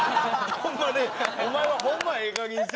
ホンマにお前はホンマええかげんにせえよ。